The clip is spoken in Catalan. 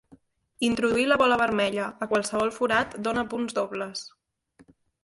Introduir la bola vermella a qualsevol forat dona punts dobles.